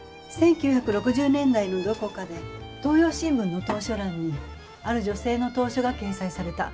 １９６０年代のどこかで東洋新聞の投書欄にある女性の投書が掲載された。